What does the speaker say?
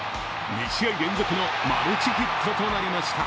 ２試合連続のマルチヒットとなりました。